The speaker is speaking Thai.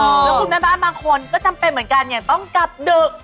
แล้วคุณแม่บ้านบางคนก็จำเป็นเหมือนกันเนี่ยต้องกลับดึก